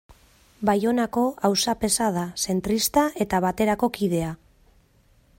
Baionako auzapeza da, zentrista eta Baterako kidea.